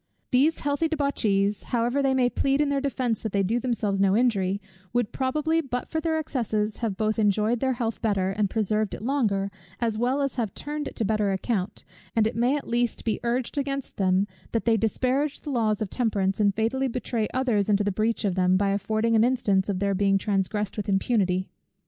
These healthy debauchees, however they may plead in their defence that they do themselves no injury, would probably, but for their excesses, have both enjoyed their health better, and preserved it longer, as well as have turned it to better account; and it may at least be urged against them, that they disparage the laws of temperance, and fatally betray others into the breach of them, by affording an instance of their being transgressed with impunity.